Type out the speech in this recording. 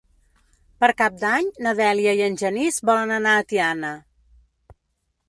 Per Cap d'Any na Dèlia i en Genís volen anar a Tiana.